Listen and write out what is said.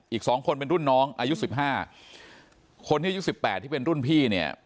อีกสองคนเป็นรุ่นน้องอายุสิบห้าคนที่อายุสิบแปดที่เป็นรุ่นพี่เนี่ย